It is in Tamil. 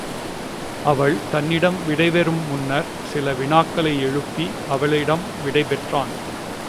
அவள் தன்னிடம் விடைபெறு முன்னர்ச் சில வினாக்களை எழுப்பி அவளிடம் விடைபெற்றான்.